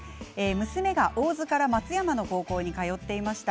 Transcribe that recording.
娘が大洲から松山の高校に通っていました。